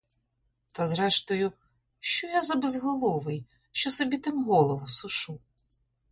Та зрештою, що я за безголовий, що собі тим голову сушу?